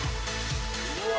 うわ！